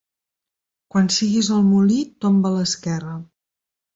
Quan siguis al molí, tomba a l'esquerra.